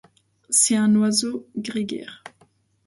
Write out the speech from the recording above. C'est un oiseau grégaire.